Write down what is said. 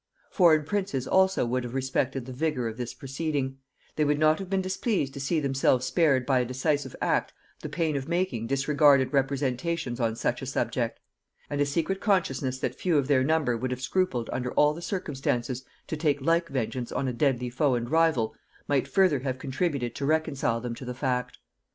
Foreign princes also would have respected the vigor of this proceeding; they would not have been displeased to see themselves spared by a decisive act the pain of making disregarded representations on such a subject; and a secret consciousness that few of their number would have scrupled under all the circumstances to take like vengeance on a deadly foe and rival, might further have contributed to reconcile them to the fact.